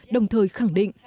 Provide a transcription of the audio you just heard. đồng thời khẳng định